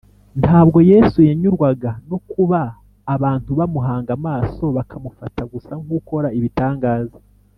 ntabwo yesu yanyurwaga no kuba abantu bamuhanga amaso bakamufata gusa nk’ukora ibitangaza